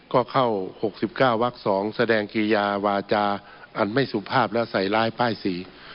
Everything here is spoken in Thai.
ก็เข้า๖๙วัก๒แสดงกิยาวาจาอันไม่สุภาพและใส่ร้ายป้ายสี